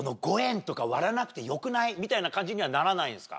みたいな感じにはならないんですか？